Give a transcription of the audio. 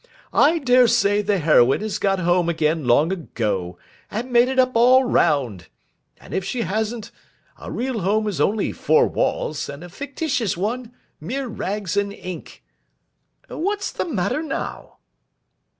I dare say the heroine has got home again long ago, and made it up all round—and if she hasn't, a real home is only four walls; and a fictitious one, mere rags and ink. What's the matter now?